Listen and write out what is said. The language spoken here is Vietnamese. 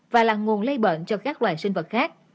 và là nguồn lây bệnh cho các loài sinh vật khác